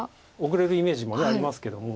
遅れるイメージもありますけども。